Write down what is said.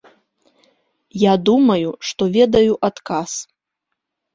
Я думаю, што ведаю адказ.